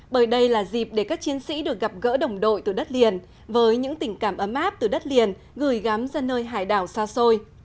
bởi đây là dịp để các chiến sĩ được gặp gỡ đồng đội từ đất liền với những tình cảm ấm áp từ đất liền gửi gắm ra nơi hải đảo xa xôi